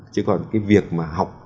chứ còn cái việc mà học